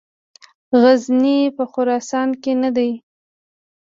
غزني په خراسان کې نه دی.